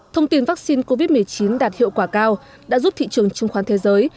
thông tin vaccine covid một mươi chín đạt hiệu quả cao đã giúp thị trường chứng khoán thế giới